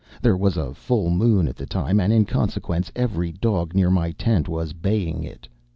There was a full moon at the time, and, in consequence, every dog near my tent was baying it.